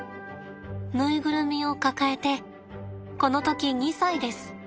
縫いぐるみを抱えてこの時２歳です。